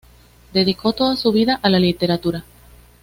Dedicó toda su vida a la literatura.